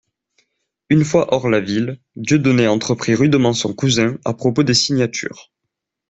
Une fois hors la ville, Dieudonné entreprit rudement son cousin, à propos des signatures.